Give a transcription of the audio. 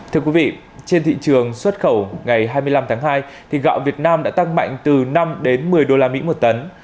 trên thị trường xuất khẩu ngày hai mươi năm tháng hai gạo việt nam đã tăng mạnh từ năm đến một mươi usd một tấn